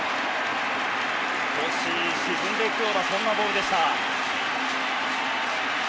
少し沈んでいくようなそんなボールでした。